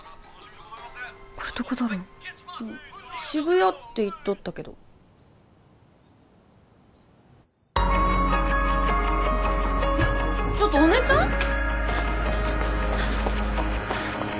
渋谷って言っとったけどえっちょっとお姉ちゃん？